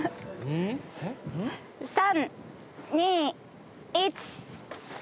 ３・２・１。